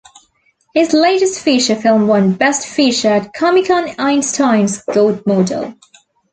His latest feature films won Best Feature at Comicon Einsteins God Model.